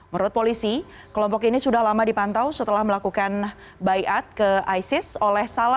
menurut polisi kelompok ini sudah lama dipantau setelah melakukan bayat ke jadual